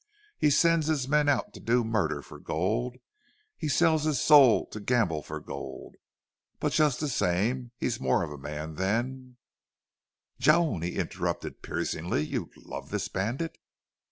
He sends his men out to do murder for gold; he'd sell his soul to gamble for gold; but just the same, he's more of a man than " "Joan!" he interrupted, piercingly. "You love this bandit!"